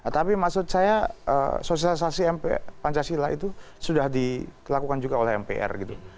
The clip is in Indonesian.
tapi maksud saya sosialisasi pancasila itu sudah dilakukan juga oleh mpr gitu